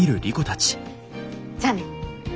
じゃあね。